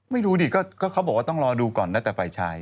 ไม่รู้ดิก็เขาบอกว่าต้องรอดูก่อนนะแต่ฝ่ายชาย